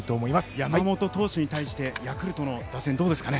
山本投手に対してヤクルト打線はどうですかね？